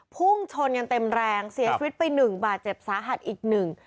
พุ่งชนกันเต็มแรงเสียชีวิตไปหนึ่งบาดเจ็บสาหัสอีกหนึ่ง